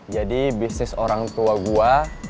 jadi bisnis orang tua gua